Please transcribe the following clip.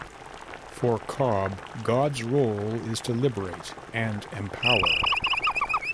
For Cobb, God's role is to liberate and empower.